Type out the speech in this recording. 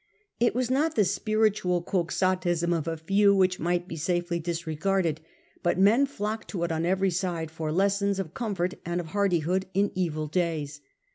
It was not the spiritual Quixotism of a few, which might be safely disregarded, but men flocked to it on every side for lessons of comfort and of hardihood in evil days.